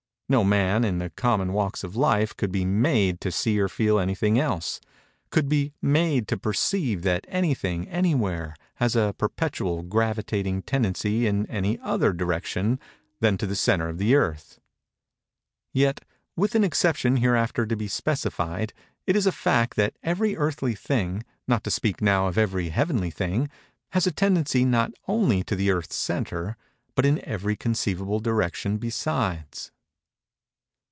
No man in the common walks of life could be made to see or to feel anything else—could be made to perceive that anything, anywhere, has a perpetual, gravitating tendency in any other direction than to the centre of the Earth; yet (with an exception hereafter to be specified) it is a fact that every earthly thing (not to speak now of every heavenly thing) has a tendency not only to the Earth's centre but in every conceivable direction besides.